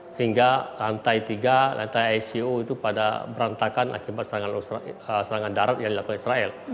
sehingga lantai tiga lantai ico itu pada berantakan akibat serangan israel